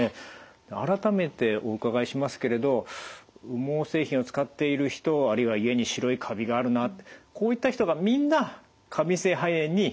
改めてお伺いしますけれど羽毛製品を使っている人あるいは家に白いカビがあるなこういった人がみんな過敏性肺炎になるわけではないってことなんですね？